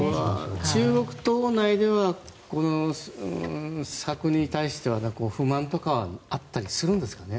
中国党内ではこの策に対しては不満とかはあったりするんですかね。